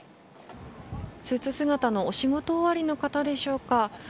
スーツ姿のお仕事終わりの方でしょうか